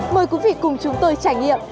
mời quý vị cùng chúng tôi trải nghiệm